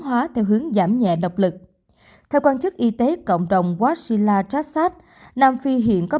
hóa theo hướng giảm nhẹ độc lực theo quan chức y tế cộng đồng washila trassad nam phi hiện có